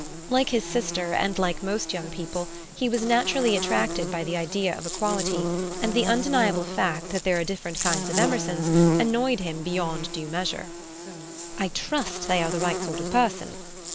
Like his sister and like most young people, he was naturally attracted by the idea of equality, and the undeniable fact that there are different kinds of Emersons annoyed him beyond measure. "I trust they are the right sort of person.